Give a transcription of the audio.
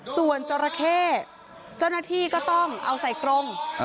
ส่วนจราเข้เจ้าหน้าที่ก็ต้องเอาใส่กรง